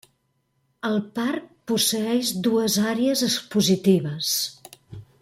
El parc posseeix dues àrees expositives: